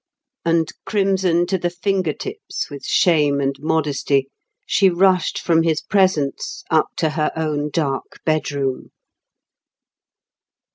And, crimson to the finger tips with shame and modesty, she rushed from his presence up to her own dark bedroom.